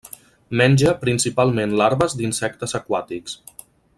Menja principalment larves d'insectes aquàtics.